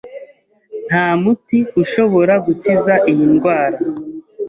Nta muti ushobora gukiza iyi ndwara.